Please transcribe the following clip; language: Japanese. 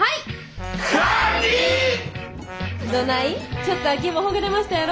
ちょっとは気もほぐれましたやろ。